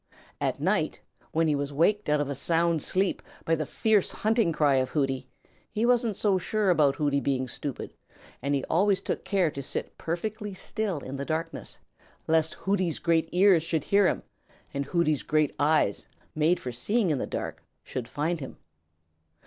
At night, when he was waked out of a sound sleep by the fierce hunting cry of Hooty, he wasn't so sure about Hooty being stupid, and he always took care to sit perfectly still in the darkness, lest Hooty's great ears should hear him and Hooty's great eyes, made for seeing in the dark, should find him.